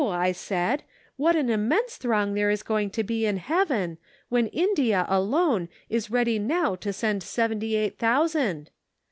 ' I said, 'what an immense throng there is going to be in heaven, when India, alone, is ready now to send seventy eight thousand